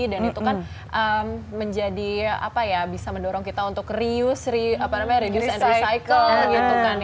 dan itu kan bisa mendorong kita untuk reuse reduce and recycle gitu kan